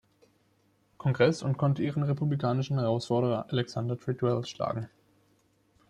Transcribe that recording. Kongress und konnte ihren republikanischen Herausforderer Alexander Treadwell schlagen.